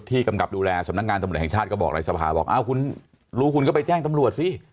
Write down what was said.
กำกับดูแลสำนักงานตำรวจแห่งชาติก็บอกในสภาบอกอ้าวคุณรู้คุณก็ไปแจ้งตำรวจสิ